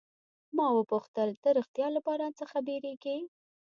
ما وپوښتل، ته ریښتیا له باران څخه بیریږې؟